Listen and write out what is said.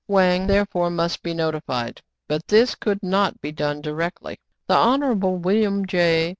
Wang, therefore, must be notified ; but this could not be done directly. The Honorable William J.